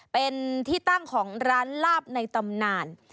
เป็นที่ตั้งของร้านลาบในตำนาน